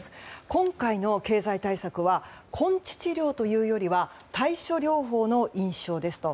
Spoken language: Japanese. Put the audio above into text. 今回の経済対策は根治治療というよりは対症療法の印象ですと。